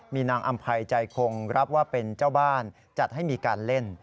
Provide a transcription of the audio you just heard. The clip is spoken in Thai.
มีนางอำภัยใจคงรับว่าเป็นเจ้าบ้านจัดให้มีการเล่น